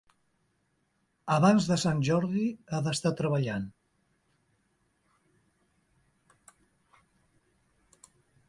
Abans de Sant Jordi ha d'estar treballant.